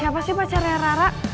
siapa sih pacarnya rara